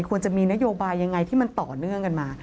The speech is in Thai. ควรจะมีนโยบายยังไงที่มันต่อเนื่องกันมา